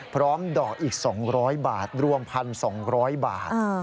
พร้อมดอกอีก๒๐๐บาทรวมพัน๒๐๐บาท